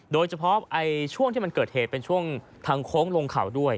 โดยเฉพาะช่วงที่มันเกิดเหตุเป็นช่วงทางโค้งลงเขาด้วย